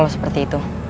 kalau seperti itu